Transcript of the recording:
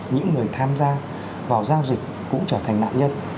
những người tham gia vào giao dịch cũng trở thành nạn nhân